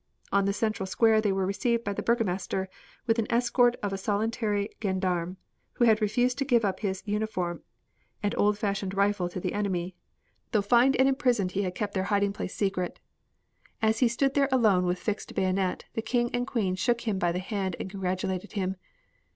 On the central square they were received by the burgomaster with an escort of a solitary gendarme, who had refused to give up his uniform and old fashioned rifle to the enemy; though fined and imprisoned he had kept their hiding place secret. As he stood there alone with fixed bayonet the King and the Queen shook him by the hand and congratulated him.